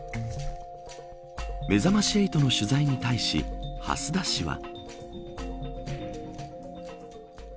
めざまし８の取材に対し蓮田市は。